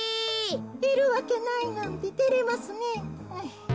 いるわけないなんててれますねえ。